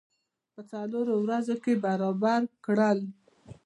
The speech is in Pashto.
په څلورو ورځو کې برابر کړل.